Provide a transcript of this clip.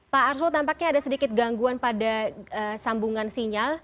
pak arsul tampaknya ada sedikit gangguan pada sambungan sinyal